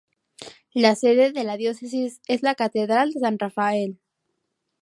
La sede de la Diócesis es la Catedral de San Rafael.